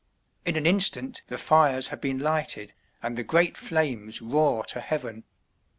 In an instant the fires have been lighted, and the great flames roar to heaven.